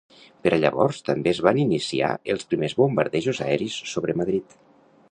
Per a llavors també es van iniciar els primers bombardejos aeris sobre Madrid.